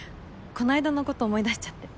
こないだのこと思い出しちゃって。